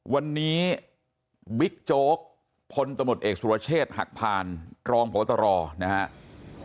วันนี้บิ๊กโจ๊กพลตำรวจเอกสุรเชษฐ์หักพานรองพบตรนะครับ